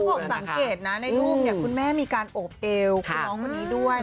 ผมสังเกตในภาพลูกคุณแม่มีการอบเอวคุณอย่างนี้ด้วย